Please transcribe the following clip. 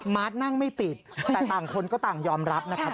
นั่งไม่ติดแต่ต่างคนก็ต่างยอมรับนะครับ